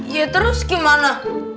ya terus gimana